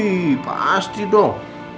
ih pasti dong